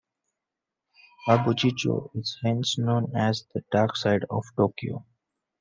Kabuki-cho is hence known as "The Dark Side of Tokyo".